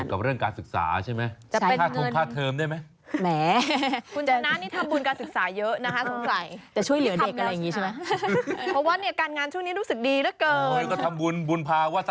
เกี่ยวเรื่องกับปัญญา